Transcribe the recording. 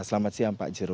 selamat siang pak jero